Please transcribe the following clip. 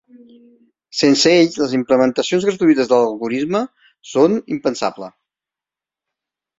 Sense ells, les implementacions gratuïtes de l'algorisme són impensable.